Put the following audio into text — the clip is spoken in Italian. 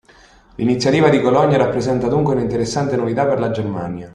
L'iniziativa di Colonia rappresenta dunque un'interessante novità per la Germania.